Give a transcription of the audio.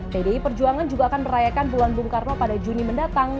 pdi perjuangan juga akan merayakan bulan bung karno pada juni mendatang